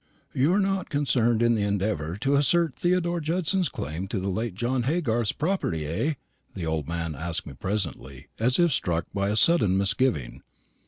"You are not concerned in the endeavour to assert Theodore Judson's claim to the late John Haygarth's property, eh?" the old man asked me presently, as if struck by a sudden misgiving.